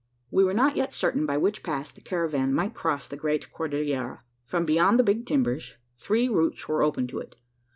We were not yet certain by which pass the caravan might cross the great Cordillera. From beyond the Big Timbers, three routes were open to it.